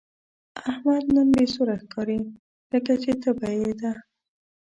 احمد نن بې سوره ښکاري، لکه چې تبه یې ده.